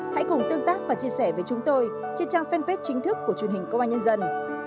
hãy cùng tương tác và chia sẻ với chúng tôi trên trang fanpage chính thức của truyền hình công an nhân dân